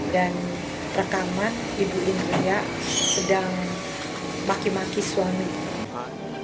dan rekaman ibu indria sedang maki maki suaminya